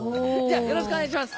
よろしくお願いします。